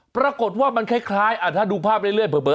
ปรากฏว่ามันคล้ายคล้ายอ่าถ้าดูภาพเรื่อยเรื่อยเผลอเผลอ